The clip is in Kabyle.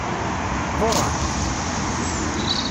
Ḍurren-k?